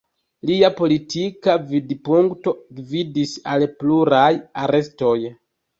Lia politika vidpunkto gvidis al pluraj arestoj.